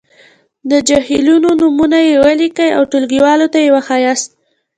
د جهیلونو نومونويې ولیکئ او ټولګیوالو ته یې وښایاست.